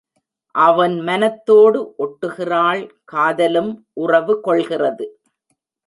அவன் மனத்தோடு ஒட்டுகிறாள் காத லும் உறவு கொள்கிறது.